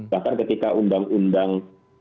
bahkan ketika undang undang